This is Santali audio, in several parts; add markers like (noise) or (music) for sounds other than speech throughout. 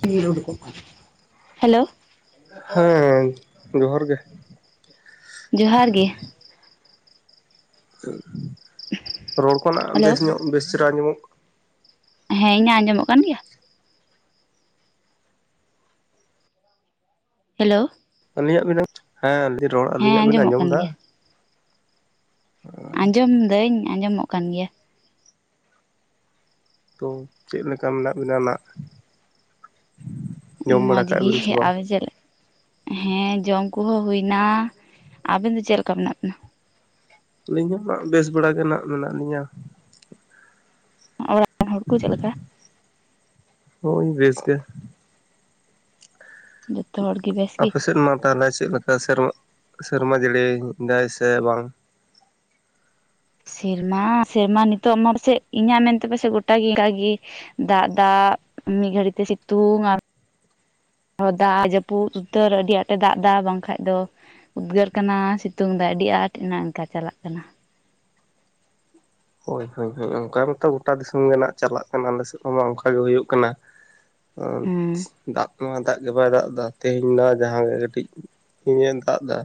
(unintelligible) ᱦᱮᱞᱳ᱾ ᱦᱮᱸ ᱡᱚᱦᱟᱨ ᱜᱮ᱾ ᱡᱚᱦᱟᱨ ᱜᱮ᱾ ᱨᱚᱲ ᱠᱚᱱᱟᱜ ᱦᱮᱞᱳ ᱵᱮᱥ ᱧᱚᱜ ᱵᱮᱥ ᱪᱮᱨᱦᱟ ᱧᱟᱢᱚᱜ ᱦᱮᱸ᱾ ᱤᱧᱟᱜ ᱟᱸᱡᱚᱢᱚᱜ ᱠᱟᱱ ᱜᱮᱭᱟ? ᱦᱮᱞᱳ᱾ ᱟᱹᱞᱤᱧᱟᱜ ᱵᱤᱱ᱾ ᱦᱮᱸᱧ ᱨᱚᱲ ᱦᱮᱸ ᱟᱹᱞᱤᱧᱟᱜ ᱵᱤᱱ ᱟᱸᱡᱚᱢᱚᱜ ᱟᱸᱡᱚᱢ ᱠᱟᱱ ᱮᱫᱟ? ᱜᱮᱭᱟ (inaudible) ᱟᱸᱡᱚᱢ ᱫᱟᱹᱧ ᱟᱸᱡᱚᱢᱚᱜ ᱠᱟᱱ ᱜᱮᱭᱟ᱾ ᱛᱚ ᱪᱮᱫ ᱞᱮᱠᱟ ᱢᱮᱱᱟᱜ ᱵᱤᱱᱟ ᱱᱟᱜ? ᱡᱚᱢ ᱵᱟᱲᱟ ᱢᱚᱡᱽ ᱠᱟᱜ ᱜᱮ ᱵᱤᱱ ᱥᱮ ᱵᱟᱝ ᱟᱫᱚ ᱪᱮᱫ ᱞᱮᱠᱟ? ᱦᱮᱸ ᱡᱚᱢ ᱠᱚᱦᱚᱸ ᱦᱩᱭᱱᱟ᱾ ᱟᱵᱮᱱ ᱫᱚ ᱪᱮᱫ ᱞᱮᱠᱟ ᱢᱮᱱᱟᱜ ᱵᱮᱱᱟ? ᱟᱹᱞᱤᱧ ᱦᱚᱸ ᱱᱟᱦᱜ ᱵᱮᱥ ᱵᱟᱲᱟ ᱜᱮ ᱱᱟᱜ ᱢᱮᱱᱟᱜ ᱞᱤᱧᱟᱹ᱾ ᱚᱲᱟᱜ (inaudible) ᱦᱚᱲ ᱠᱚ ᱪᱮᱫᱮ ᱞᱮᱠᱟ? ᱦᱳᱭ ᱵᱮᱥ ᱜᱮ᱾ ᱡᱚᱛᱚ ᱦᱚᱲᱜᱮ ᱵᱮᱥ ᱜᱮ ᱟᱯᱮᱥᱮᱫ ᱢᱟ ᱛᱟᱦᱞᱮ ᱪᱮᱫ ᱞᱮᱠᱟ ᱥᱮᱨᱢᱟ ᱥᱮᱨᱢᱟ ᱡᱟᱹᱲᱤᱭ ᱫᱟᱭ ᱥᱮ ᱵᱟᱝ? ᱥᱮᱨᱢᱟ ᱥᱮᱨᱢᱟ ᱱᱤᱛᱚᱜ ᱢᱟᱲ ᱥᱮᱫ ᱤᱧᱟᱹᱜ ᱢᱮᱱᱛᱮ ᱯᱟᱥᱮᱡ ᱜᱚᱴᱟ ᱜᱮ ᱚᱱᱠᱟ ᱜᱮ ᱫᱟᱜ ᱫᱟᱜ ᱢᱤᱫ ᱜᱷᱟᱹᱲᱤᱛᱮ ᱥᱤᱛᱩᱝ ᱟᱨ ᱦᱚᱸ ᱫᱟᱜ ᱡᱟᱹᱯᱩᱫ ᱩᱛᱟᱹᱨ ᱟᱹᱰᱤ ᱟᱸᱴᱮ ᱫᱟᱜ ᱮᱫᱟ ᱵᱟᱝᱠᱷᱟᱡ ᱫᱚ ᱩᱫᱽᱜᱟᱹᱨ ᱠᱟᱱᱟ ᱥᱤᱛᱩᱝ ᱫᱟᱭ ᱟᱹᱰᱤ ᱟᱸᱴ ᱮᱱᱟ ᱚᱝᱠᱟ ᱪᱟᱞᱟᱜ ᱠᱟᱱᱟ᱾ ᱦᱳᱭ ᱦᱳᱭ ᱦᱳᱭ ᱚᱱᱠᱟ ᱢᱟᱛᱚ ᱜᱚᱴᱟ ᱫᱤᱥᱚᱢ ᱜᱮ ᱱᱟᱦᱜ ᱪᱟᱞᱟᱜ ᱠᱟᱱᱟ ᱟᱞᱮ ᱥᱮᱫ ᱦᱚᱸᱢᱟ ᱚᱱᱠᱟ ᱜᱮ ᱦᱩᱭᱩᱜ ᱠᱟᱱᱟ᱾ ᱦᱮᱸ (unintelligible) ᱫᱟᱜ ᱱᱚᱣᱟ ᱫᱟᱜ ᱜᱮ ᱵᱟᱭ ᱫᱟᱜ ᱮᱫᱟ ᱛᱮᱦᱮᱧ ᱱᱚᱣᱟ ᱡᱟᱦᱟᱸᱜᱮ ᱠᱟᱹᱴᱤᱡ ᱛᱤᱦᱤᱧᱮ ᱫᱟᱜ ᱮᱫᱟ᱾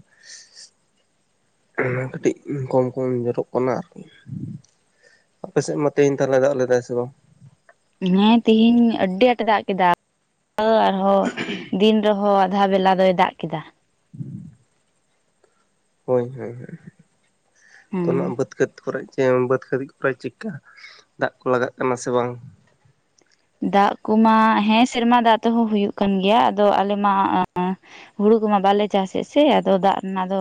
ᱚᱱᱟ ᱠᱟᱹᱴᱤᱡ ᱠᱚᱢ ᱠᱚᱢ ᱧᱚᱨᱚᱜ ᱠᱟᱱᱟ ᱟᱨᱠᱤ᱾ ᱟᱯᱮᱥᱮᱫ ᱢᱟ ᱛᱮᱦᱮᱧ ᱛᱟᱦᱞᱮ ᱫᱟᱜ ᱞᱮᱫᱟᱭ ᱥᱮ ᱵᱟᱝ? ᱦᱮᱸ ᱛᱤᱦᱤᱧ ᱟᱹᱰᱤ ᱟᱸᱴᱮ ᱫᱟᱜ ᱠᱮᱫᱟ (inaudible) ᱟᱨᱦᱚᱸ ᱫᱤᱱ ᱨᱮᱦᱚᱸ ᱟᱫᱷᱟ ᱵᱮᱞᱟ ᱫᱚᱭ ᱫᱟᱜ ᱠᱮᱫᱟ᱾ ᱦᱳᱭ ᱦᱳᱭ ᱦᱳᱭ ᱛᱚ ᱦᱮᱸ ᱱᱟᱦᱜ ᱵᱟᱹᱫᱽ ᱠᱦᱮᱛ ᱵᱟᱹᱫᱽ ᱠᱚᱨᱮ ᱪᱮᱢ ᱵᱟᱹᱫᱽ (unintelligible) ᱠᱚᱨᱮ ᱪᱤᱠᱟ ᱫᱟᱜ ᱠᱚ ᱞᱟᱜᱟᱜ ᱠᱟᱱᱟ ᱥᱮ ᱵᱟᱝ? ᱫᱟᱜ ᱠᱚᱢᱟ ᱦᱮᱸ ᱥᱮᱨᱢᱟ ᱫᱟᱜ ᱛᱮᱦᱚᱸ ᱦᱩᱭᱩᱜ ᱠᱟᱱ ᱜᱮᱭᱟ ᱟᱫᱚ ᱟᱞᱮ ᱢᱟ ᱦᱩᱲᱩ ᱠᱚᱢᱟ ᱵᱟᱞᱮ ᱪᱟᱥᱮᱫ ᱥᱮ ᱟᱫᱚ ᱫᱟᱜ ᱨᱮᱱᱟᱜ ᱫᱚ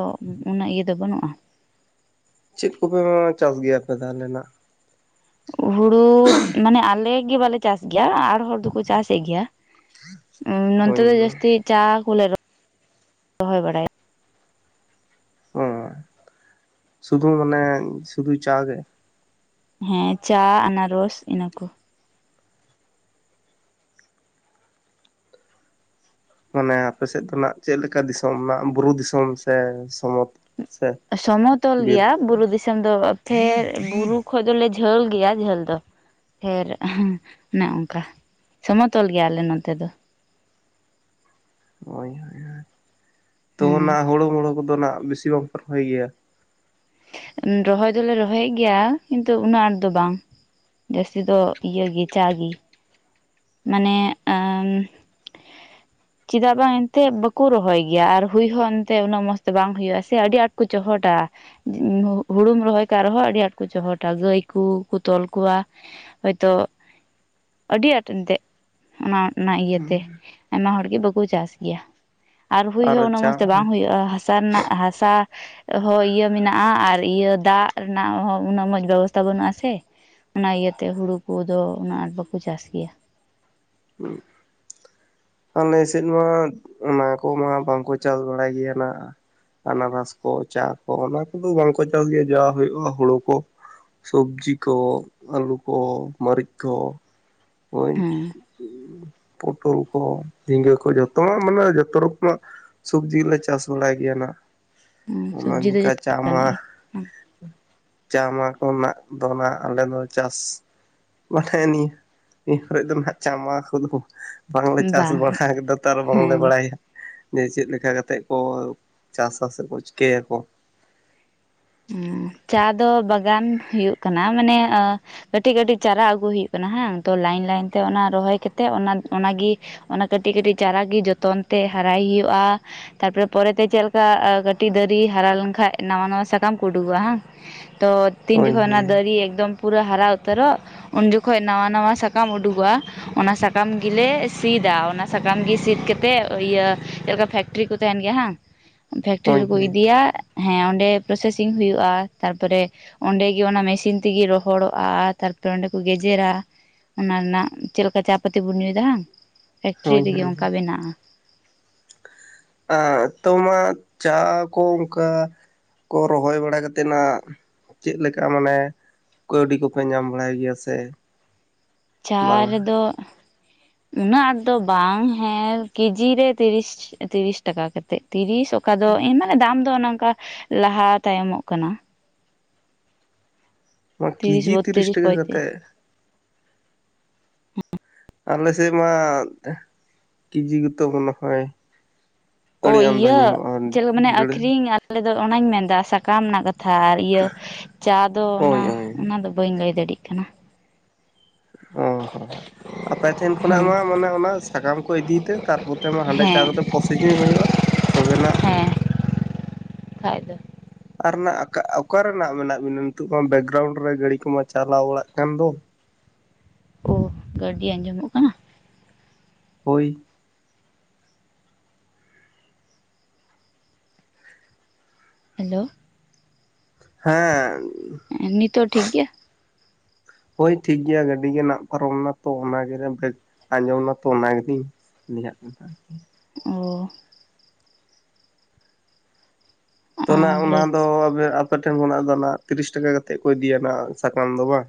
ᱩᱱᱟᱹᱜ ᱤᱭᱟᱹ ᱫᱚ ᱵᱟᱹᱱᱩᱜ-ᱟ᱾ ᱪᱮᱫ ᱠᱚᱯᱮ ᱢᱟ ᱪᱟᱥ ᱜᱮᱭᱟᱯᱮ ᱛᱟᱦᱞᱮ ᱱᱟᱜ? ᱦᱩᱲᱩ ᱢᱟᱱᱮ ᱟᱞᱮ ᱜᱮ ᱵᱟᱞᱮ ᱪᱟᱥ ᱜᱮᱭᱟ ᱟᱨ ᱦᱚᱲ ᱫᱚᱠᱚ ᱪᱟᱥᱮᱫ ᱜᱮᱭᱟ, ᱩᱸ ᱱᱚᱱᱛᱮ ᱦᱳᱭ ᱫᱚ ᱦᱳᱭ ᱡᱟᱹᱥᱛᱤ ᱪᱟ ᱠᱚᱞᱮ (inaudible) ᱨᱚᱦᱚᱭ ᱵᱟᱲᱟᱭᱟ᱾ ᱚᱸ ᱥᱩᱫᱷᱩ ᱢᱟᱱᱮ ᱥᱩᱫᱷᱩ ᱪᱟ ᱜᱮ᱾ ᱦᱮᱸ ᱪᱟ ᱟᱱᱟᱨᱚᱥ ᱤᱱᱟᱹ ᱠᱚ ᱾ ᱢᱟᱱᱮ ᱟᱯᱮᱥᱮᱫ ᱫᱚ ᱱᱟᱜ ᱪᱮᱫ ᱞᱮᱠᱟ ᱫᱤᱥᱚᱢ ᱨᱮᱱᱟᱜ ᱵᱩᱨᱩ ᱫᱤᱥᱚᱢ ᱥᱮ ᱥᱚᱢᱚᱛ ᱥᱮ ᱥᱚᱢᱚᱛᱚᱞ ᱵᱤᱨ ᱜᱮᱭᱟ ᱵᱩᱨᱩ ᱫᱤᱥᱚᱢ ᱫᱚ ᱯᱷᱮᱨ ᱵᱩᱨᱩ ᱠᱷᱚᱡ ᱫᱚᱞᱮ ᱡᱷᱟᱹᱞ ᱜᱮᱭᱟ ᱡᱷᱟᱹᱞ ᱫᱚ ᱾ ᱯᱷᱮᱨ ᱚᱱᱮ ᱚᱱᱠᱟ (inaudible) ᱥᱚᱢᱚᱛᱚᱞ ᱜᱮᱭᱟᱞᱮ ᱱᱚᱛᱮ ᱫᱚ ᱾ ᱦᱳᱭ ᱦᱳᱭ ᱾ (inaudible) ᱛᱚ ᱚᱱᱟ ᱦᱮᱸ ᱦᱩᱲᱩ ᱢᱩᱲᱩ ᱠᱚᱫᱚ ᱱᱟᱜ ᱵᱮᱥᱤ ᱵᱟᱝ ᱯᱮ ᱨᱚᱦᱚᱭ ᱜᱮᱭᱟ ᱾ ᱨᱚᱦᱚᱭ ᱫᱚᱞᱮ ᱨᱚᱦᱚᱭᱮᱫ ᱜᱮᱭᱟ ᱠᱤᱱᱛᱩ ᱩᱱᱟᱹᱜ ᱟᱸᱴ ᱫᱚ ᱵᱟᱝ ᱾ ᱡᱟᱹᱥᱛᱤ ᱫᱚ ᱤᱭᱟᱹ ᱜᱤ ᱪᱟ ᱜᱤ ᱾ ᱢᱟᱱᱮ ᱟᱹᱢ (inaudible) ᱪᱤᱫᱟᱜ ᱵᱟᱝ ᱮᱱᱛᱮᱫ ᱵᱟᱠᱩ ᱨᱚᱦᱚᱭ ᱜᱮᱭᱟ ᱟᱨ ᱦᱩᱭ ᱦᱚᱸ ᱮᱱᱛᱮᱜ ᱩᱱᱟᱹᱜ ᱢᱚᱸᱡᱽ ᱛᱮ ᱵᱟᱝ ᱦᱩᱭᱩᱜ-ᱟ ᱥᱮ ᱟᱹᱰᱤ ᱟᱸᱴ ᱠᱚ ᱪᱚᱦᱚᱴᱟ ᱾ ᱦᱩᱲᱩᱢ ᱨᱚᱦᱚᱭ ᱠᱟᱜ ᱨᱮᱦᱚᱸ ᱟᱹᱰᱤ ᱟᱸᱴ ᱠᱚ ᱪᱚᱦᱚᱴᱟ, ᱜᱟᱹᱭ ᱠᱩ ᱠᱩ ᱛᱚᱞ ᱠᱚᱣᱟ ᱾ ᱦᱳᱭᱛᱚ (inaudible) ᱟᱹᱰᱤ ᱟᱸᱴ ᱮᱱᱛᱮᱜ (inaudible) ᱚᱱᱟ ᱚᱱᱟ ᱤᱭᱟᱹᱛᱮ ᱟᱭᱢᱟ ᱦᱚᱲᱜᱮ ᱵᱟᱠᱩ ᱪᱟᱥ ᱜᱮᱭᱟ ᱾ ᱟᱨ ᱦᱩᱭ ᱦᱚᱸ ᱩᱱᱟᱹᱜ ᱪᱟ ᱢᱚᱸᱡᱽᱛᱮ ᱦᱮᱸ ᱵᱟᱝ ᱦᱩᱭᱩᱜ-ᱟ ᱾ ᱦᱟᱥᱟ ᱨᱮᱱᱟᱜ ᱦᱟᱥᱟ ᱦᱚᱸ ᱤᱭᱟᱹ ᱢᱮᱱᱟᱜ-ᱟ ᱟᱨ ᱤᱭᱟᱹ ᱫᱟᱜ ᱨᱮᱱᱟᱜ ᱦᱚᱸ ᱩᱱᱟᱹᱜ ᱢᱚᱸᱡᱽ ᱵᱮᱵᱚᱥᱛᱷᱟ ᱵᱟᱹᱱᱩᱜ ᱟᱥᱮ ᱾ ᱚᱱᱟ ᱤᱭᱟᱹᱛᱮ ᱦᱩᱲᱩ ᱠᱩᱫᱚ ᱩᱱᱟᱹᱜ ᱟᱸᱴ ᱵᱟᱠᱚ ᱪᱟᱥ ᱜᱮᱭᱟ ᱾ (inaudible) ᱟᱞᱮ ᱥᱮᱫ ᱢᱟ ᱚᱱᱟ ᱠᱚᱢᱟ ᱵᱟᱝᱠᱚ ᱪᱟᱥ ᱵᱟᱲᱟᱭ ᱜᱮᱭᱟ ᱱᱟᱜ ᱾ ᱟᱱᱟᱨᱚᱥ ᱠᱚ ᱪᱟ ᱠᱚ ᱚᱱᱟ ᱠᱚᱫᱚ ᱵᱟᱝᱠᱚ ᱪᱟᱥ ᱜᱮᱭᱟ ᱡᱟ ᱦᱩᱭᱩᱜ-ᱟ ᱦᱩᱲᱩ ᱠᱚ ᱾ ᱥᱚᱵᱽᱡᱤ ᱠᱚ ᱟᱹᱞᱩ ᱠᱚ ᱢᱟᱹᱨᱤᱪ ᱠᱚ ᱾ (inaudible) ᱦᱮᱸ (inaudible) ᱯᱚᱴᱚᱞ ᱠᱚ ᱡᱷᱤᱸᱜᱟᱹ ᱠᱚ ᱡᱚᱛᱚᱣᱟᱜ ᱢᱟᱱᱮ ᱡᱚᱛᱚ ᱨᱚᱠᱚᱢᱟᱜ ᱥᱚᱵᱽᱡᱤ ᱞᱮ ᱪᱟᱥ ᱵᱟᱲᱟᱭ ᱜᱮᱭᱟ ᱱᱟᱜ ᱾ (inaudible) ᱚᱱᱮ ᱥᱚᱵᱽᱡᱤ ᱫᱚ ᱚᱱᱠᱟ ᱡᱚᱛᱚ ᱪᱟ ᱢᱟ ᱞᱮᱠᱟᱱᱟᱜ ᱜᱮ (inaudible) ᱪᱟ ᱢᱟ ᱠᱚᱨᱮᱱᱟᱜ ᱫᱚ ᱱᱟᱜ ᱟᱞᱮ ᱫᱚ ᱪᱟᱥ ᱢᱟᱱᱮ ᱱᱤᱭᱟᱹ ᱱᱤᱭᱟᱹ ᱠᱚᱨᱮ ᱫᱚ ᱱᱟᱦᱟᱜ ᱪᱟ ᱢᱟ ᱠᱚᱫᱚ ᱵᱟᱝᱞᱮ ᱪᱟᱥ ᱵᱟᱝ ᱵᱟᱲᱟ ᱟᱠᱟᱫᱟ ᱛᱚ ᱟᱨ ᱵᱟᱝᱞᱮ ᱦᱮᱸ ᱵᱟᱲᱟᱭᱟ ᱾ ᱡᱮ ᱪᱮᱫ ᱞᱮᱠᱟ ᱠᱟᱛᱮᱜ ᱠᱚ ᱪᱟᱥᱟ ᱥᱮᱠᱚ ᱪᱤᱠᱟᱹᱭᱟᱠᱚ ᱾ ᱩᱢᱢ ᱪᱟ ᱫᱚ ᱵᱟᱜᱟᱱ ᱦᱩᱭᱩᱜ ᱠᱟᱱᱟ ᱢᱟᱱᱮ ᱟᱹ ᱠᱟᱹᱴᱤᱡ ᱠᱟᱹᱴᱤᱡ ᱪᱟᱨᱟ ᱟᱹᱜᱩ ᱦᱩᱭᱩᱜ ᱠᱟᱱᱟ ᱦᱟᱝ ᱛᱚ ᱞᱟᱭᱤᱱ ᱞᱟᱭᱤᱱ ᱛᱮ ᱚᱱᱟ ᱨᱚᱦᱚᱭ ᱠᱟᱛᱮᱜ ᱚᱱᱟ ᱚᱱᱟᱜᱤ ᱚᱱᱟ ᱠᱟᱹᱴᱤᱡ ᱠᱟᱹᱴᱤᱡ ᱪᱟᱨᱟ ᱜᱤ ᱡᱚᱛᱚᱱ ᱛᱮ ᱦᱟᱨᱟᱭ ᱦᱩᱭᱩᱜ-ᱟ ᱾ ᱛᱟᱨᱯᱚᱨᱮ ᱯᱚᱨᱮᱛᱮ ᱪᱮᱫ ᱞᱮᱠᱟ ᱠᱟᱹᱴᱤᱡ ᱫᱟᱨᱤ ᱦᱟᱨᱟ ᱞᱮᱱᱠᱷᱟᱡ ᱱᱟᱣᱟ ᱱᱟᱣᱟ ᱥᱟᱠ ᱥᱟᱠᱟᱢ ᱠᱚ ᱩᱰᱩᱠᱚᱜ-ᱟ ᱦᱟᱝ ᱛᱚ ᱛᱤᱱ ᱦᱳᱭ ᱡᱚᱠᱷᱚᱱ ᱚᱱᱟ ᱦᱳᱭ ᱫᱟᱨᱤ ᱮᱠᱫᱚᱢ ᱯᱩᱨᱟᱹ ᱦᱟᱨᱟ ᱩᱛᱟᱹᱨᱚᱜ ᱩᱱ ᱡᱚᱠᱷᱚᱡ ᱱᱟᱣᱟ ᱱᱟᱣᱟ ᱥᱟᱠᱟᱢ ᱩᱰᱩᱠᱚᱜ-ᱟ ᱾ ᱚᱱᱟ ᱥᱟᱠᱟᱢ ᱜᱤᱞᱮ ᱥᱤᱫᱟ, ᱚᱱᱟ ᱥᱟᱠᱟᱢ ᱜᱤ ᱥᱤᱫ ᱠᱟᱛᱮᱫ ᱤᱭᱟᱹ ᱪᱮᱫ ᱞᱮᱠᱟ ᱯᱷᱮᱠᱴᱨᱤ ᱠᱚ ᱛᱟᱦᱮᱱ ᱜᱮᱭᱟ ᱦᱟᱝ ᱯᱷᱮᱠᱴᱨᱤ ᱦᱳᱭ ᱨᱮᱠᱚ ᱦᱳᱭ ᱤᱫᱤᱭᱟ ᱦᱮᱸ ᱚᱸᱰᱮ ᱯᱨᱚᱥᱮᱥᱤᱝ ᱦᱩᱭᱩᱜ-ᱟ ᱾ ᱛᱟᱨᱯᱚᱨᱮ ᱚᱱᱰᱮᱜᱮ ᱚᱱᱟ ᱢᱮᱥᱤᱱ ᱛᱤᱜᱤ ᱨᱚᱦᱚᱲᱚᱜ-ᱟ ᱛᱟᱨᱯᱚᱨᱮ ᱚᱸᱰᱮ ᱠᱚ ᱜᱮᱡᱮᱨᱟ ᱾ ᱚᱱᱟ ᱨᱮᱱᱟᱜ ᱪᱮᱫ ᱞᱮᱠᱟ ᱪᱟ ᱯᱟᱹᱛᱤ ᱵᱚᱱ ᱧᱩᱭᱮᱫᱟ ᱦᱟᱝ? ᱦᱳᱭ ᱦᱳᱭ ᱾ (inaudible) ᱟ ᱛᱚ ᱢᱟᱜ ᱪᱟ ᱠᱚ ᱚᱱᱠᱟ ᱠᱚ ᱨᱚᱦᱚᱭ ᱵᱟᱲᱟ ᱠᱟᱛᱮᱫ ᱱᱟᱜ ᱪᱮᱫ ᱞᱮᱠᱟ ᱢᱟᱱᱮ ᱠᱟᱹᱣᱰᱤ ᱠᱚᱯᱮ ᱧᱟᱢ ᱵᱟᱲᱟᱭ ᱜᱮᱭᱟ ᱥᱮ ᱪᱟ ᱵᱟᱝᱟ ᱨᱮᱫᱚ (inaudible) ᱩᱱᱟᱹᱜ ᱟᱸᱴ ᱫᱚ ᱵᱟᱝ ᱦᱮᱸ ᱠᱮᱡᱤ ᱨᱮ ᱛᱤᱨᱤᱥ ᱛᱤᱨᱤᱥ ᱴᱟᱠᱟ ᱠᱟᱛᱮᱫ ᱛᱤᱨᱤᱥ (unintelligible) ᱫᱚ ᱤᱱᱟᱹᱜ ᱫᱟᱢ ᱫᱚ ᱚᱱᱮ ᱚᱱᱠᱟ ᱞᱟᱦᱟ ᱛᱟᱭᱚᱢᱚᱜ ᱠᱟᱱᱟ ᱾ ᱱᱚᱣᱟ ᱠᱮᱡᱤ ᱛᱤᱨᱤᱥ ᱵᱚᱛᱛᱨᱤᱥ ᱴᱟᱠᱟ ᱯᱚᱸᱭᱛᱨᱤᱥ ᱠᱟᱛᱮᱫ? ᱟᱞᱮ ᱥᱮᱫ ᱢᱟ ᱠᱤᱡᱤ ᱜᱮᱛᱚ ᱢᱚᱱᱮ ᱦᱚᱭ ᱚ ᱟᱹᱰᱤ ᱟᱢᱫᱟ ᱤᱭᱟᱹ ᱧᱟᱢᱚᱜᱼᱟ ᱪᱮᱫ ᱞᱮ ᱢᱟᱱᱮ ᱰᱟᱹᱲ ᱟᱹᱠᱷᱨᱤᱧ ᱟ ᱟᱞᱮ ᱫᱚ ᱚᱱᱟᱧ ᱢᱮᱱᱫᱟ ᱥᱟᱠᱟᱢ ᱱᱟᱜ ᱠᱟᱛᱷᱟ ᱟᱨ ᱤᱭᱟᱹ ᱪᱟ ᱫᱚ ᱚᱱᱟ ᱦᱳᱭ ᱦᱳᱭ ᱚᱱᱟ ᱫᱚ ᱵᱟᱹᱧ ᱞᱟᱹᱭ ᱫᱟᱲᱮᱜ ᱠᱟᱱᱟ᱾ ᱚ ᱦᱚᱸ (inaudible) ᱟᱯᱮ ᱴᱷᱮᱱ ᱠᱷᱚᱱᱟᱜ ᱦᱮᱸ ᱢᱟ ᱢᱟᱱᱮ ᱚᱱᱟ ᱥᱟᱠᱟᱢ ᱠᱚ ᱤᱫᱤ ᱛᱮ ᱛᱟᱨᱯᱚᱛᱮ ᱢᱟ ᱦᱟᱸᱰᱮ ᱪᱟ ᱦᱮᱸ ᱠᱟᱛᱮ ᱯᱨᱚᱥᱤᱥᱤᱝ ᱦᱩᱭᱩᱜᱼᱟ ᱛᱚᱵᱮᱱᱟᱜ ᱦᱮᱸ ᱦᱩᱭᱩᱜᱼᱟ᱾ ᱠᱷᱟᱡ ᱫᱚ᱾ ᱟᱨ ᱱᱟᱜ ᱟᱠᱟ ᱚᱠᱟᱨᱨ ᱱᱟᱜ ᱢᱮᱱᱟᱜ ᱵᱤᱱᱟ ᱱᱤᱛᱚᱜ ᱢᱟ ᱵᱮᱠᱜᱨᱟᱣᱩᱱᱰ ᱨᱮ ᱜᱟᱹᱲᱤ ᱠᱚᱢᱟ ᱪᱟᱞᱟᱣ ᱵᱟᱲᱟᱜ ᱠᱟᱱ ᱫᱚ? ᱚ ᱜᱟᱹᱰᱤ ᱟᱸᱡᱚᱢᱚᱜ ᱠᱟᱱᱟ? ᱦᱳᱭ᱾ ᱦᱮᱞᱳ᱾ ᱦᱮᱸ᱾ ᱮᱸ ᱱᱤᱛᱚᱜ ᱴᱷᱤᱠ ᱜᱮᱭᱟ? ᱦᱳᱭ ᱴᱷᱤᱠ ᱜᱮᱭᱟ ᱜᱟᱹᱰᱤ ᱜᱮ ᱱᱟᱜ ᱯᱟᱨᱚᱢ ᱱᱟᱛᱚ ᱚᱱᱟ ᱜᱮᱨᱮ ᱵᱮᱠ ᱟᱸᱡᱚᱢ ᱱᱟᱛᱚ ᱚᱱᱟ ᱜᱮᱞᱤᱧ ᱞᱟᱹᱭᱟᱜ ᱠᱟᱱᱟ ᱟᱨᱠᱤ᱾ ᱚ᱾ ᱛᱚ ᱱᱟᱜ ᱚᱱᱟ ᱞᱟᱹᱭ ᱫᱚ ᱟᱵᱮ ᱟᱯᱮ ᱴᱷᱮᱱ ᱠᱷᱚᱱᱟᱜ ᱫᱚ ᱱᱟᱜ ᱛᱤᱨᱤᱥ ᱴᱟᱠᱟ ᱠᱟᱛᱮᱫ ᱠᱚ ᱤᱫᱤᱭᱟ ᱱᱟᱜ ᱥᱟᱠᱟᱢ ᱫᱚ ᱵᱟᱝ?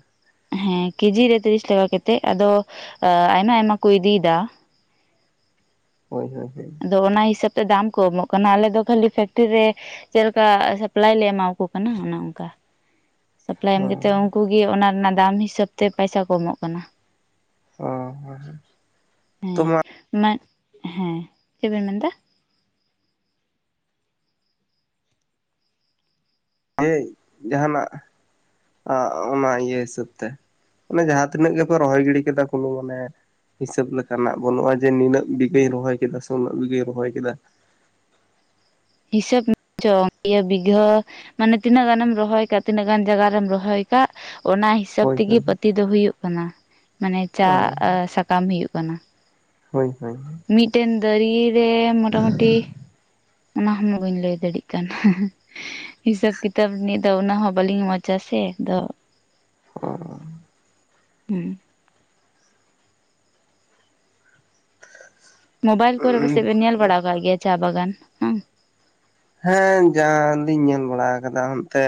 ᱦᱮᱸ ᱠᱮᱡᱤ ᱨᱮ ᱛᱤᱨᱤᱥ ᱴᱟᱠᱟ ᱠᱟᱛᱮᱫ ᱟᱫᱚ ᱟ ᱟᱭᱢᱟ ᱟᱭᱢᱟ ᱠᱚ ᱤᱫᱤᱭᱮᱫᱟ᱾ ᱦᱳᱭ ᱦᱳᱭ ᱦᱳᱭ᱾ ᱟᱫᱚ ᱚᱱᱟ ᱦᱤᱥᱟᱹᱵ ᱛᱮ ᱫᱟᱢ ᱠᱚ ᱮᱢᱚᱜ ᱠᱟᱱᱟ ᱟᱞᱮ ᱫᱚ ᱠᱷᱟᱹᱞᱤ ᱯᱷᱮᱠᱴᱨᱤ ᱨᱮ ᱪᱮᱫ ᱞᱮᱠᱟ ᱥᱟᱯᱞᱟᱭ ᱞᱮ ᱮᱢᱟᱠᱚ ᱠᱟᱱᱟ ᱚᱱᱮ ᱚᱱᱠᱟ᱾ ᱥᱟᱯᱞᱟᱭ ᱮᱢ ᱦᱚᱸ ᱠᱟᱛᱮᱫ ᱩᱱᱠᱩ ᱜᱮ ᱚᱱᱟ ᱨᱮᱱᱟᱜ ᱫᱟᱢ ᱦᱤᱥᱟᱹᱵ ᱛᱮ ᱯᱟᱭᱥᱟ ᱠᱚ ᱮᱢᱚᱜ ᱠᱟᱱᱟ᱾ ᱦᱚᱸ ᱛᱚ ᱦᱮᱸ ᱢᱟ ᱢᱟ ᱦᱮᱸ, ᱪᱮᱫ ᱵᱮᱱ ᱢᱮᱱᱫᱟ? (inaudible) ᱡᱟᱦᱟᱱᱟᱜ ᱟᱸ ᱚᱱᱟ ᱤᱭᱟᱹ ᱦᱤᱥᱟᱹᱵᱽ ᱛᱮ᱾ ᱢᱟᱱᱮ ᱡᱟᱦᱟᱸ ᱛᱤᱱᱟᱹᱜ ᱜᱮᱯᱮ ᱨᱚᱦᱚᱭ ᱜᱤᱲᱤ ᱠᱮᱫᱟ ᱠᱳᱱᱳ ᱢᱟᱱᱮ ᱦᱤᱥᱟᱹᱵᱽ ᱞᱮᱠᱟᱱᱟᱜ ᱵᱟᱹᱱᱩᱜᱼᱟ ᱡᱮ ᱱᱤᱱᱟᱹᱜ ᱵᱤᱜᱷᱟᱹᱧ ᱨᱚᱦᱚᱭ ᱠᱮᱫᱟ ᱥᱮ ᱩᱱᱟᱹᱜ ᱵᱤᱜᱷᱟᱹᱧ ᱨᱚᱦᱚᱭ ᱠᱮᱫᱟ᱾ ᱦᱤᱥᱟᱹᱵᱽ (inaudible) ᱤᱭᱟᱹ ᱵᱤᱜᱷᱟᱹ ᱢᱟᱱᱮ ᱛᱤᱱᱟᱹᱜ ᱜᱟᱱᱮᱢ ᱨᱚᱦᱚᱭ ᱠᱟᱜ ᱛᱤᱱᱟᱹᱜ ᱜᱟᱱ ᱡᱟᱭᱜᱟ ᱨᱮᱢ ᱨᱚᱦᱚᱭ ᱟᱠᱟᱜ ᱚᱱᱟ ᱦᱤ ᱦᱤᱥᱟᱹᱵᱽ ᱦᱳᱭ ᱛᱮᱜᱮ ᱦᱳᱭ ᱯᱟᱹᱛᱤ ᱫᱚ ᱦᱩᱭᱩᱜ ᱠᱟᱱᱟ, ᱢᱟᱱᱮ ᱪᱟ ᱚ ᱥᱟᱠᱟᱢ ᱦᱩᱭᱩᱜ ᱠᱟᱱᱟ᱾ ᱦᱳᱭ ᱦᱳᱭ ᱦᱳᱭ᱾ ᱢᱤᱫᱴᱮᱱ ᱫᱟᱨᱤ ᱨᱮ ᱢᱚᱴᱟᱢᱩᱴᱤ ᱚᱱᱟ ᱦᱚᱸᱢᱟ ᱵᱟᱹᱧ ᱞᱟᱹᱭ ᱫᱟᱲᱮᱜ ᱠᱟᱱᱟ᱾ ᱦᱤᱥᱟᱹᱵ ᱠᱤᱛᱟᱹᱵ ᱱᱤᱭᱟᱹ ᱫᱚ ᱚᱱᱟ ᱦᱚᱸ ᱵᱟᱹᱞᱤᱧ ᱢᱚᱡᱽ-ᱟ ᱥᱮ ᱟᱫᱚ ᱚ ᱚ᱾ ᱦᱩᱸ᱾ ᱢᱳᱵᱟᱭᱤᱞ ᱠᱚᱨᱮᱜ ᱯᱟᱥᱮᱜ ᱵᱮᱱ ᱧᱮᱞ ᱵᱟᱲᱟᱣ ᱠᱟᱜ ᱜᱮᱭᱟ ᱪᱟ ᱵᱟᱜᱟᱱ, ᱦᱮᱸ᱾ ᱦᱮᱸ ᱡᱟ ᱞᱤᱧ ᱧᱮᱞ ᱵᱟᱲᱟ ᱟᱠᱟᱫᱟ ᱚᱱᱛᱮ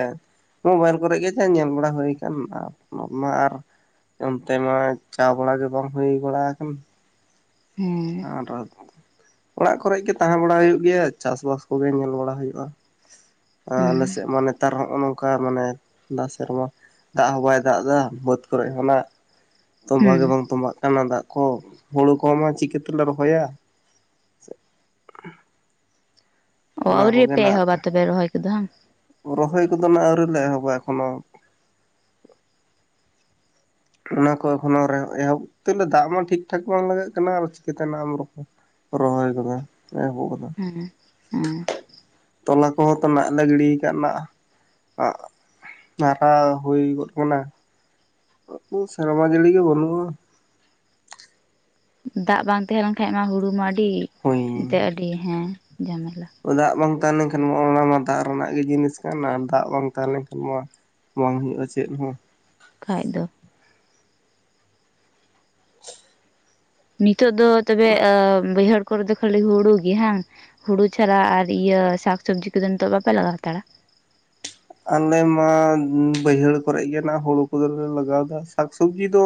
ᱢᱳᱵᱟᱭᱤᱞ ᱠᱚᱨᱮᱜ ᱜᱮ ᱡᱟ ᱧᱮᱞ ᱵᱟᱲᱟ ᱦᱩᱭ ᱠᱟᱱ, ᱢᱟ ᱟᱨ ᱚᱱᱛᱮ ᱢᱟ ᱪᱟ ᱵᱟᱲᱟ ᱜᱮ ᱵᱟᱝ ᱦᱩᱭ ᱵᱟᱲᱟ ᱟᱠᱟᱱ᱾ ᱦᱮᱸ ᱟᱨ ᱚᱲᱟᱜ ᱠᱚᱨᱮ ᱜᱮ ᱛᱟᱦᱮᱸ ᱵᱟᱲᱟ ᱦᱩᱭᱩᱜ ᱜᱮᱭᱟ ᱪᱟᱥᱵᱟᱥ ᱠᱚᱜᱮ ᱧᱮᱞ ᱵᱟᱲᱟ ᱦᱩᱭᱩᱜᱼᱟ᱾ ᱟ ᱟᱞᱮ ᱦᱩᱸ ᱥᱮᱫ ᱢᱟ ᱱᱮᱛᱟᱨ ᱦᱚᱸᱜᱼᱚ ᱱᱚᱝᱠᱟ ᱢᱟᱱᱮ ᱫᱟᱜ ᱥᱮᱨᱢᱟ᱾ ᱫᱟᱜ ᱦᱚᱸ ᱵᱟᱭ ᱫᱟᱜ ᱮᱫᱟ ᱵᱟᱹᱫ ᱠᱚᱨᱮ ᱦᱚᱸ ᱱᱟᱜ᱾ ᱛᱚᱸᱵᱟ ᱦᱩᱸ ᱜᱮ ᱵᱟᱝ ᱛᱚᱵᱟᱜ ᱠᱟᱱᱟ ᱫᱟᱜ ᱠᱚ, ᱦᱩᱲᱩ ᱠᱚᱢᱟ ᱪᱤᱠᱟᱹᱛᱮᱞᱮ ᱨᱚᱦᱚᱭᱟ? ᱚ ᱚᱱᱟ ᱟᱹᱣᱨᱤ ᱠᱚᱜᱮ ᱯᱮ ᱱᱟᱜ ᱮᱦᱚᱵᱟ ᱛᱚᱵᱮ ᱨᱚᱦᱚᱭ ᱠᱚᱫᱚ ᱦᱟᱝ? ᱨᱚᱦᱚᱭ ᱠᱚᱫᱚ ᱱᱟᱜ ᱟᱹᱣᱨᱤ ᱞᱮ ᱮᱦᱚᱵᱟ ᱮᱠᱷᱚᱱᱳ ᱚᱱᱟ ᱠᱚ ᱮᱠᱷᱚᱱᱳ ᱮᱦᱚᱵ ᱛᱮᱞᱮ ᱫᱟᱜ ᱢᱟ ᱴᱷᱤᱠ ᱴᱷᱟᱠ ᱵᱟᱝ ᱞᱟᱜᱟᱜ ᱠᱟᱱᱟ ᱟᱨ ᱪᱤᱠᱟᱹᱛᱮᱱᱟᱜ ᱮᱢ ᱨᱚᱦᱚᱭ ᱜᱚᱫᱟ (unintelligible) ᱦᱮᱸ ᱦᱮᱸ ᱦᱮᱸ ᱛᱚᱞᱟ ᱠᱚᱦᱚᱸ ᱛᱚ ᱱᱟᱜ ᱜᱤᱰᱤᱭᱟ ᱱᱟᱜ ᱟᱜ ᱢᱟᱮᱟᱣ ᱦᱩᱭ ᱜᱚᱫ ᱠᱟᱱᱟ ᱾ (unintelligible) ᱥᱮᱨᱢᱟ ᱡᱟᱹᱲᱤ ᱜᱮ ᱵᱟᱹᱱᱩᱜᱼᱟ ᱫᱟᱜ ᱵᱟᱝ ᱛᱟᱦᱮᱸ ᱞᱮᱱᱠᱷᱟᱡ ᱢᱟ ᱦᱩᱲᱩ ᱢᱟ ᱟᱹᱰᱤ ᱦᱳᱭ ᱮᱱᱛᱮᱜ ᱟᱹᱰᱤ ᱦᱮᱸ ᱡᱷᱟᱢᱮᱞᱟ ᱾ ᱫᱟᱜ ᱵᱟᱝ ᱛᱟᱦᱮᱸᱞᱱᱠᱷᱟᱱ ᱢᱟ ᱚᱱᱟ ᱢᱟ ᱫᱟᱜ ᱨᱮᱱᱟᱜ ᱜᱮ ᱡᱤᱱᱤᱥ ᱠᱟᱱ ᱫᱟᱜ ᱵᱟᱝ ᱛᱟᱦᱮᱸ ᱞᱮᱱᱠᱷᱟᱱ ᱢᱟ ᱵᱟᱝ ᱦᱩᱭᱩᱜᱼᱟ ᱪᱮᱫ ᱦᱚᱸ ᱠᱷᱟᱡ ᱫᱚ ᱱᱤᱛᱚᱜ ᱫᱚ ᱛᱚᱵᱮ ᱵᱟᱹᱭᱦᱟᱹᱲ ᱠᱚᱨᱮ ᱫᱚ ᱠᱷᱟᱹᱞᱤ ᱦᱩᱲᱩ ᱜᱮ ᱦᱟᱝ ᱦᱩᱲᱩ ᱪᱷᱟᱲᱟ ᱟᱨ ᱤᱭᱟᱹ ᱥᱟᱠ ᱥᱚᱵᱽᱡᱤ ᱠᱚᱫᱚ ᱱᱤᱛᱚᱜ ᱵᱟᱯᱮ ᱞᱟᱜᱟᱣ ᱦᱟᱛᱟᱲᱟ ᱟᱞᱮ ᱢᱟ ᱵᱟᱹᱭᱦᱟᱹᱲ ᱠᱚᱨᱮ ᱜᱮ ᱱᱟᱦᱟᱜ ᱦᱩᱲᱩ ᱠᱚᱫᱚᱞᱮ ᱞᱟᱜᱟᱣᱫᱟ, ᱥᱟᱠ ᱥᱚᱵᱽᱡᱤ ᱫᱚ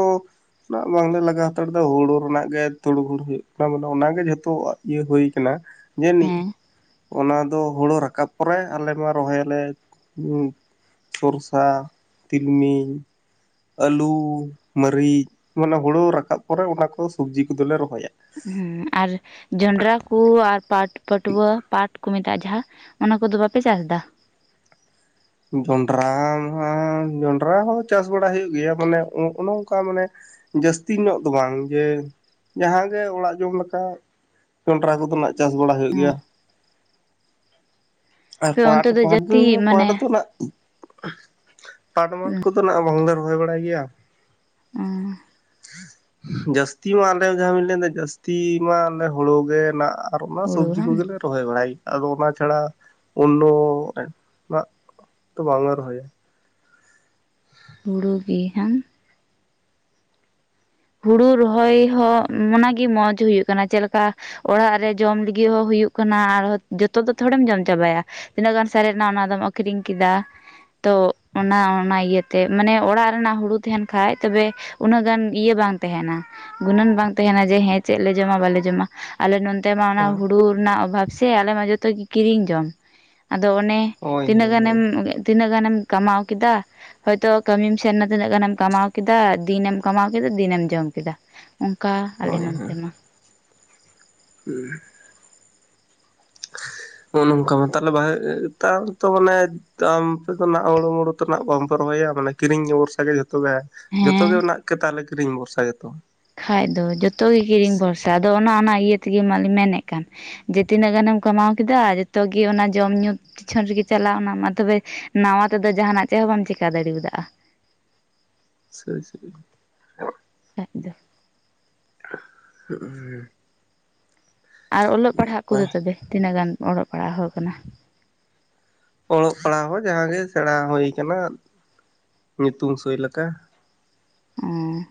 ᱱᱟᱜ ᱵᱟᱝᱞᱮ ᱞᱟᱜᱟᱣ ᱦᱟᱛᱟᱲ ᱫᱟ ᱦᱩᱲᱩ ᱨᱮᱱᱟᱜ ᱜᱮ ᱛᱩᱲᱩ ᱦᱩᱲᱩ ᱦᱩᱭᱩᱜ ᱠᱟᱱᱟ ᱢᱟᱱᱮ ᱚᱱᱟᱜᱮ ᱡᱷᱚᱛᱚ ᱤᱭᱟᱹ ᱦᱩᱭ ᱠᱟᱱᱟ ᱡᱟᱹᱱᱤᱡ, ᱦᱮᱸ ᱚᱱᱟ ᱫᱚ ᱦᱩᱲᱩ ᱨᱟᱠᱟᱵ ᱯᱚᱨᱮ ᱟᱞᱮ ᱢᱟ ᱨᱚᱦᱚᱭᱟᱞᱮ (unintelligible) ᱥᱚᱨᱥᱟ ᱛᱤᱞᱢᱤᱧ ᱟᱹᱞᱩ ᱢᱟᱹᱨᱤᱪ ᱢᱟᱱᱮ ᱦᱩᱲᱩ ᱨᱟᱠᱟᱵ ᱯᱚᱨᱮ ᱚᱱᱟ ᱠᱚ ᱥᱩᱵᱡᱤ ᱠᱚᱫᱚᱞᱮ ᱨᱚᱦᱚᱭᱟ᱾ ᱦᱩᱸ ᱟᱨ ᱡᱚᱱᱰᱨᱟ ᱠᱩ ᱟᱨ ᱯᱟᱴ ᱯᱟᱹᱴᱣᱟᱹ ᱯᱟᱴ ᱠᱩ ᱢᱮᱛᱟᱜᱼᱟ ᱡᱟᱦᱟᱸ ᱚᱱᱟ ᱠᱚᱫᱚ ᱵᱟᱯᱮ ᱪᱟᱥ ᱫᱟ ᱡᱚᱱᱰᱨᱟ ᱢᱟ ᱡᱚᱱᱰᱨᱟ ᱦᱚᱸ ᱪᱟᱥ ᱵᱟᱲᱟ ᱦᱩᱭᱩᱜ ᱜᱮᱭᱟ ᱢᱟᱱᱮ ᱚᱱᱮ ᱚᱝᱠᱟ ᱢᱟᱱᱮ ᱡᱟᱹᱥᱛᱤ ᱧᱚᱜ ᱫᱚ ᱵᱟᱝ ᱡᱮ ᱡᱟᱦᱟᱸᱜᱮ ᱚᱲᱟᱜ ᱡᱚᱢ ᱞᱮᱠᱟ ᱡᱚᱱᱰᱨᱟ ᱠᱚᱫᱚ ᱱᱟᱜ ᱪᱟᱥ ᱵᱟᱲᱟ ᱦᱩᱭᱩᱜ ᱜᱮᱭᱟ᱾ ᱟᱨ ᱟᱯᱮ ᱯᱟᱴ ᱚᱱᱛᱮ ᱫᱚ ᱡᱟᱹᱥᱛᱤ (unintelligible) ᱯᱟᱴ ᱢᱟᱱᱮ (unintelligible) ᱯᱟᱴᱢᱟᱴ ᱠᱚᱫᱚ ᱱᱟᱜ ᱵᱟᱝᱞᱮ ᱨᱚᱦᱚᱭ ᱵᱟᱲᱟᱭ ᱜᱮᱭᱟ ᱾ ᱚᱸ ᱡᱟᱹᱥᱛᱤ ᱢᱟ ᱟᱞᱮ ᱡᱟᱦᱟᱸ ᱵᱤᱱ ᱞᱟᱹᱭ ᱫᱟ ᱡᱟᱹᱥᱛᱤ ᱢᱟ ᱟᱞᱮ ᱦᱩᱲᱳᱜᱮ ᱱᱟᱜ ᱟᱨ ᱚᱱᱟ ᱦᱩᱲᱩ ᱥᱚᱵᱡᱤ ᱵᱟᱝ ᱠᱚᱜᱮᱞᱮ ᱨᱚᱦᱚᱭ ᱵᱟᱲᱟᱭᱼᱟ ᱟᱫᱚ ᱚᱱᱟ ᱪᱷᱟᱲᱟ ᱚᱱᱱᱳ ᱱᱟᱜ ᱛᱚ ᱵᱟᱝᱞᱮ ᱨᱚᱦᱚᱭᱟ ᱦᱩᱲᱩ ᱜᱮ ᱦᱟᱝ ᱦᱩᱲᱩ ᱨᱚᱦᱚᱭ ᱦᱚᱸ ᱚᱱᱟᱜᱮ ᱢᱚᱸᱡᱽ ᱦᱩᱭᱩᱜ ᱠᱟᱱᱟ ᱪᱮᱫᱞᱮᱠᱟ ᱚᱲᱟᱜ ᱨᱮ ᱡᱚᱢ ᱞᱟᱹᱜᱤᱫ ᱦᱚᱸ ᱦᱩᱭᱩᱜ ᱠᱟᱱᱟ ᱟᱨᱦᱚᱸ ᱡᱚᱛᱚ ᱫᱚ ᱛᱷᱚᱲᱮᱢ ᱡᱚᱢ ᱪᱟᱵᱟᱭᱟ ᱛᱤᱱᱟᱹᱜ ᱜᱟᱱ ᱥᱟᱨᱮᱡᱱᱟ ᱚᱱᱟᱫᱚᱢ ᱟᱠᱷᱨᱤᱧ ᱠᱮᱫᱟ ᱛᱚ ᱚᱱᱟ ᱚᱱᱟ ᱤᱭᱟᱹᱛᱮ ᱢᱟᱱᱮ ᱚᱲᱟᱜ ᱨᱮᱱᱟᱜ ᱦᱩᱲᱩ ᱛᱟᱦᱮᱱ ᱠᱷᱟᱡ ᱛᱚᱵᱮ ᱩᱱᱟᱹᱜ ᱜᱟᱱ ᱤᱭᱟᱹ ᱵᱟᱝ ᱛᱟᱦᱮᱱᱟ ᱜᱩᱱᱟᱹᱱ ᱵᱟᱝ ᱛᱟᱦᱮᱱᱟ ᱡᱮ ᱦᱮᱸ ᱪᱮᱫ ᱞᱮ ᱡᱚᱢᱟ ᱵᱟᱞᱮ ᱡᱚᱢᱟ ᱟᱞᱮ ᱱᱚᱱᱛᱮ ᱢᱟ ᱚᱱᱟ ᱦᱳᱭ ᱦᱩᱲᱩ ᱨᱮᱱᱟᱜ ᱚᱵᱷᱟᱵ ᱥᱮ ᱟᱞᱮ ᱢᱟ ᱡᱚᱛᱚ ᱜᱮ ᱠᱤᱨᱤᱧ ᱡᱚᱢ ᱟᱫᱚ ᱚᱱᱮ ᱦᱳᱭ ᱛᱤᱱᱟᱹᱜ ᱜᱟᱱᱮᱢ ᱦᱳᱭ ᱛᱤᱱᱟᱹᱜ ᱜᱟᱱᱮᱢ ᱠᱟᱢᱟᱣ ᱠᱮᱫᱟ ᱦᱚᱭᱛᱚ ᱠᱟᱹᱢᱤᱢ ᱥᱮᱱ ᱱᱟ ᱛᱤᱱᱟᱹᱜ ᱜᱟᱱᱮᱢ ᱠᱟᱢᱟᱣ ᱠᱮᱫᱟ ᱫᱤᱱᱮᱢ ᱠᱟᱢᱟᱣ ᱤᱱᱟᱹᱜ ᱫᱤᱱᱮᱢ ᱡᱚᱢ ᱠᱮᱫᱟ ᱚᱱᱠᱟ ᱟᱞᱮ ᱦᱳᱭ ᱱᱚᱱᱛᱮ ᱢᱟ ᱦᱩᱸ ᱱᱚ ᱱᱚᱝᱠᱟ ᱢᱟ ᱛᱟᱦᱞᱮ (unintelligible) ᱛᱟᱦᱞᱮ ᱛᱚ ᱢᱟᱱᱮ ᱛᱚ ᱟᱢ ᱟᱯᱮ ᱫᱚ ᱱᱟᱜ ᱦᱩᱲᱩᱢᱩᱲᱩ ᱛᱮ ᱱᱟᱜ ᱵᱟᱢ ᱯᱮ ᱨᱚᱦᱚᱭᱟ ᱢᱟᱱᱮ ᱠᱤᱨᱤᱧ ᱵᱷᱚᱨᱥᱟ ᱜᱮ ᱡᱚ ᱛᱚᱵᱮ ᱡᱚᱛᱚ ᱜᱮ ᱦᱮᱸ ᱱᱟᱜ ᱠᱮ ᱛᱟᱦᱚᱞᱮ ᱠᱤᱨᱤᱧ ᱵᱷᱚᱨᱥᱟ ᱜᱮ ᱛᱚ ᱠᱷᱟᱡ ᱫᱚ ᱡᱚᱛᱚ ᱜᱮ ᱠᱤᱨᱤᱧ ᱵᱷᱚᱨᱥᱟ ᱟᱫᱚ ᱚᱱᱟ ᱚᱱᱟ ᱤᱭᱟᱹ ᱛᱮᱜᱮ ᱢᱟᱞᱤᱧ ᱢᱮᱱᱮᱫ ᱠᱟᱱ ᱡᱮ ᱛᱤᱱᱟᱹᱜ ᱜᱟᱱᱮᱢ ᱠᱟᱢᱟᱣ ᱠᱮᱫᱟ ᱡᱚᱛᱚ ᱜᱤ ᱚᱱᱟ ᱡᱚᱢ ᱧᱩ ᱯᱤᱪᱷᱚᱱ ᱨᱮᱜᱮ ᱪᱟᱞᱟᱣᱱᱟ ᱢᱟ ᱛᱚᱵᱮ ᱱᱟᱣᱟ ᱛᱮᱫᱚ ᱡᱟᱦᱟᱱᱟᱜ ᱪᱮᱫ ᱦᱚᱸ ᱵᱟᱢ ᱪᱮᱠᱟ ᱫᱟᱲᱮᱣᱟᱫᱼᱟ (inaudible) ᱟᱡ ᱫᱚ (inaudible) (inaudible) ᱟᱨ ᱚᱞᱚᱜ ᱯᱟᱲᱦᱟᱜ ᱠᱚᱫᱚ ᱛᱚᱵᱮ ᱛᱤᱱᱟᱹᱜ ᱜᱟᱱ ᱚᱞᱚᱜ ᱯᱟᱲᱦᱟ ᱦᱚᱲ ᱠᱟᱱᱟ ᱚᱞᱚᱜ ᱯᱟᱲᱦᱟᱣ ᱦᱚᱸ ᱡᱟᱦᱟᱸ ᱜᱮ ᱥᱮᱬᱟ ᱦᱳᱭ ᱠᱟᱱᱟ ᱧᱩᱛᱩᱢ ᱥᱳᱭ ᱞᱮᱠᱟ ᱚᱸ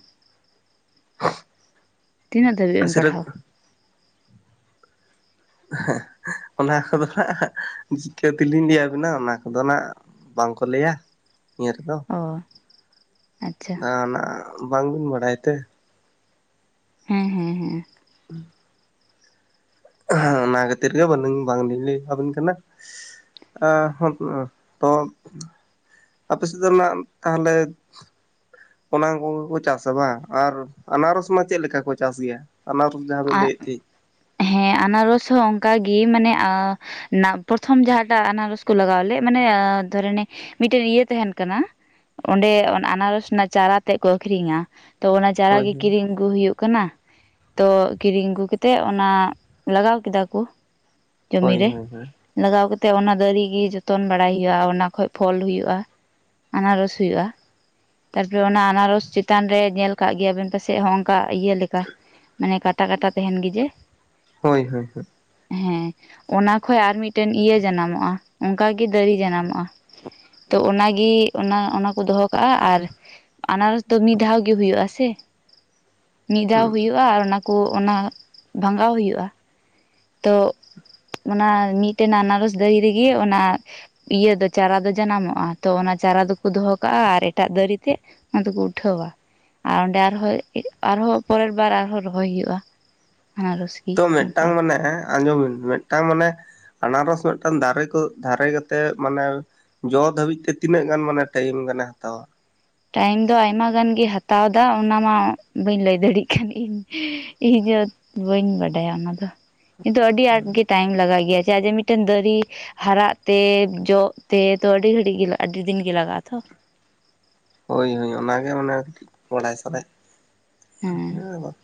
ᱛᱤᱱᱟᱹᱜ ᱫᱷᱟᱵᱹᱤᱡ ᱮᱢ ᱥᱤᱨᱟᱹᱛ ᱯᱟᱲᱦᱟᱣ ᱦᱮᱸᱜ ᱮᱸ (inaudible) ᱚᱱᱟ ᱠᱚᱫᱚ ᱱᱟᱜ ᱦᱟᱜ ᱪᱤᱠᱟᱹᱛᱮᱞᱤᱧ ᱞᱟᱹᱭ ᱟᱵᱤᱱᱟ ᱚᱱᱟ ᱠᱚᱫᱚ ᱱᱟᱜ ᱵᱟᱝᱠᱚ ᱞᱟᱹᱭᱟ ᱱᱤᱭᱟᱹ ᱫᱚ ᱚᱻ ᱵᱟᱝᱵᱤᱱ ᱵᱟᱲᱟᱭ ᱛᱮ ᱦᱮᱸ ᱦᱮᱸ ᱦᱮᱸ (inaudible) ᱦᱮᱸ ᱚᱱᱟ ᱠᱷᱟᱹᱛᱤᱨ ᱜᱮ ᱵᱟᱞᱤᱧ ᱵᱟᱝ ᱞᱤᱧ ᱞᱟᱹᱭ ᱟᱵᱤᱱ ᱠᱟᱱᱟ (inaudible) ᱛᱚ ᱟᱯᱮ ᱥᱮᱫ ᱫᱚ ᱱᱟᱜ ᱛᱟᱦᱚᱞᱮ ᱚᱱᱟ ᱠᱚᱜᱮ ᱠᱚ ᱪᱟᱥᱟ ᱵᱟᱝ ᱟᱨ ᱟᱱᱟᱨᱚᱥ ᱢᱟ ᱪᱮᱫ ᱞᱮᱠᱟ ᱠᱚ ᱪᱟᱥ ᱜᱮᱭᱟ ᱟᱱᱟᱨᱥ ᱡᱟᱦᱟᱸ ᱵᱤᱱ ᱞᱟᱹᱭᱮᱫ ᱛᱟᱦᱤᱸᱜ ᱦᱮᱸ ᱟᱱᱟᱨᱚᱥ ᱦᱚᱸ ᱚᱱᱠᱟ ᱜᱤ ᱢᱟᱱᱮ ᱟ ᱱᱟ ᱯᱚᱨᱛᱷᱚᱢ ᱡᱟᱦᱟᱸᱴᱟᱜ ᱟᱱᱟᱨᱚᱥ ᱠᱚ ᱞᱟᱜᱟᱣ ᱞᱮᱜ ᱢᱟᱱᱮ ᱫᱷᱚᱨᱮᱱᱮ ᱢᱤᱫᱴᱮᱱ ᱤᱭᱟᱹ ᱛᱟᱦᱮᱱ ᱠᱟᱱᱟ ᱚᱸᱰᱮ ᱟᱱᱟᱨᱚᱥ ᱨᱮᱱᱟᱜ ᱪᱟᱨᱟ ᱛᱮᱜ ᱠᱚ ᱟᱠᱷᱨᱤᱧᱟ ᱛᱚ ᱚᱱᱟ ᱪᱟᱨᱟ ᱦᱳᱭ ᱜᱮ ᱠᱤᱨᱤᱧ ᱜᱩ ᱦᱩᱭᱩᱜ ᱠᱟᱱᱟ ᱛᱳ ᱠᱤᱨᱤᱧ ᱟᱹᱜᱩ ᱠᱟᱛᱮᱫ ᱚᱱᱟ ᱞᱟᱜᱟᱣ ᱠᱮᱫᱟ ᱠᱚ ᱠᱟᱹᱢᱤ ᱦᱳᱭ ᱨᱮ ᱦᱳᱭ ᱞᱟᱜᱟᱣ ᱠᱟᱛᱮᱜ ᱚᱱᱟ ᱫᱟᱨᱤ ᱜᱮ ᱡᱚᱛᱚᱱ ᱵᱟᱲᱟᱭ ᱭᱳᱜ-ᱟ ᱚᱱᱟ ᱠᱷᱚᱡ ᱯᱷᱚᱞ ᱦᱩᱭᱩᱜ-ᱟ ᱟᱱᱟᱨᱚᱥ ᱦᱩᱭᱩᱜ-ᱟ ᱛᱟᱨᱯᱚᱨᱮ ᱚᱱᱟ ᱟᱱᱟᱨᱚᱥ ᱪᱮᱛᱟᱱ ᱨᱮ ᱧᱮᱞ ᱠᱟᱜ ᱜᱮᱭᱟᱵᱮᱱ ᱯᱟᱥᱮᱡ ᱦᱚᱸᱜᱚᱱᱠᱟ ᱤᱭᱟᱹ ᱞᱮᱠᱟ ᱢᱟᱱᱮ ᱠᱟᱴᱟ ᱠᱟᱴᱟ ᱛᱟᱸᱦᱮᱱ ᱜᱮ ᱡᱮ ᱦᱳᱭ ᱦᱳᱭ ᱦᱳᱭ ᱦᱮᱸ ᱚᱱᱟ ᱠᱷᱚᱡ ᱟᱨ ᱢᱤᱫᱴᱮᱱ ᱤᱭᱟᱹ ᱡᱟᱱᱟᱢᱚᱜ-ᱟ ᱚᱝᱠᱟᱜᱤ ᱫᱟᱨᱮ ᱡᱟᱱᱟᱢᱚᱜ-ᱟ ᱛᱳ ᱚᱱᱟᱜᱤ ᱚᱱᱟ ᱚᱱᱟ ᱠᱚ ᱫᱚᱦᱚ ᱟᱨ ᱟᱱᱟᱨᱚᱥ ᱫᱚ ᱢᱤᱫ ᱫᱷᱟᱣ ᱜᱮ ᱦᱩᱭᱩᱜ-ᱟ ᱦᱮ ᱥᱮ ᱢᱤᱫ ᱫᱷᱟᱣ ᱦᱩᱭᱩᱜ ᱠᱟ ᱚᱱᱟ ᱠᱚ ᱚᱱᱟ ᱵᱷᱟᱸᱜᱟᱣ ᱦᱩᱭᱩᱜ-ᱟ ᱛᱳ ᱚᱱᱟ ᱢᱤᱫᱴᱮᱱ ᱟᱱᱟᱨᱚᱥ ᱫᱟᱨᱤ ᱨᱤᱜᱮ ᱚᱱᱟ ᱤᱭᱟᱹ ᱫᱚ ᱪᱟᱨᱟ ᱫᱚ ᱡᱟᱱᱟᱢᱚᱜ-ᱟ ᱛᱚ ᱚᱱᱟ ᱪᱟᱨᱟ ᱫᱚᱠᱚ ᱫᱚᱦᱚ ᱠᱟᱜ-ᱟ ᱟᱨ ᱮᱴᱟᱜ ᱫᱟᱨᱤ ᱛᱮ ᱚᱱᱟ ᱫᱚᱠᱚ ᱩᱴᱷᱟᱹᱣᱟ ᱟᱨ ᱚᱱᱰᱮ ᱟᱨᱦᱚᱸ ᱟᱨᱦᱚ ᱯᱚᱨᱮᱨ ᱵᱟᱨ ᱟᱨᱦᱚᱸ ᱨᱚᱦᱚᱭ ᱦᱩᱭᱩᱜᱼᱟ ᱟᱱᱟᱨᱚᱥ ᱜᱮ ᱛᱳ ᱚᱱᱠᱟ ᱢᱮᱫᱴᱟᱝ ᱢᱮᱱᱮᱜ ᱟ ᱟᱸᱡᱚᱢ ᱵᱤᱱ ᱢᱮᱫᱴᱟᱝ ᱢᱟᱱᱮ ᱟᱱᱟᱨᱚᱥ ᱢᱤᱫᱴᱟᱱ ᱫᱟᱨᱮ ᱠᱚ ᱫᱟᱨᱮ ᱠᱟᱛᱮ ᱢᱟᱱᱮ ᱡᱚ ᱫᱷᱟᱹᱵᱤᱡ ᱛᱮ ᱛᱤᱱᱟᱹᱜ ᱜᱟᱱ ᱢᱟᱱᱮ ᱴᱟᱭᱤᱢ ᱜᱟᱱᱮ ᱦᱟᱛᱟᱣᱟ ᱴᱟᱭᱤᱢ ᱫᱚ ᱟᱭᱢᱟ ᱜᱟᱱ ᱜᱤ ᱦᱟᱛᱟᱣ ᱫᱟ ᱚᱱᱟ ᱢᱟ ᱵᱟᱹᱧ ᱞᱟᱹᱭ ᱫᱟᱲᱤᱜ ᱠᱟᱱ ᱤᱧ ᱵᱟᱹᱧ ᱵᱟᱰᱟᱭᱟ ᱚᱱᱟ ᱫᱚ ᱠᱤᱱᱛᱩ ᱟᱹᱰᱤ ᱟᱸᱴᱜᱤ ᱴᱟᱭᱤᱢ ᱞᱟᱜᱟᱜ ᱜᱮᱭᱟ ᱪᱮᱫᱟᱜ ᱡᱮ ᱢᱤᱫᱴᱮᱱ ᱫᱟᱨᱤ ᱦᱟᱨᱟᱜ ᱛᱮ ᱡᱚᱜ ᱛᱮ ᱛᱚ ᱟᱹᱰᱤ ᱜᱷᱟᱹᱲᱤᱡ ᱜᱮ ᱟᱹᱰᱤ ᱫᱤᱱ ᱜᱮ ᱞᱟᱜᱟᱜ-ᱟ ᱛᱚ ᱦᱳᱭ ᱦᱳᱭ ᱚᱱᱟᱜᱮ ᱢᱟᱱᱮ ᱵᱟᱲᱟᱭ ᱥᱟᱱᱟᱭᱮᱫ‌ ᱦᱮᱸ ᱞᱤᱧᱟ